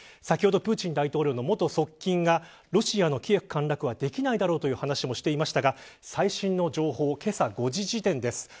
先ほどプーチン大統領の元側近がロシアのキエフ陥落はできないだろうという話もしていましたが最新の情報、けさ５時時点です。